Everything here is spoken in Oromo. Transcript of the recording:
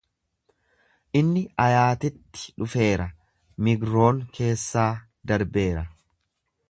Inni Ayaatitti dhufeera, Migroon keessaa darbeera.